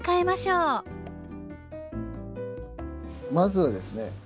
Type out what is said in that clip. まずはですね